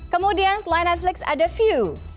kemudian selain netflix ada view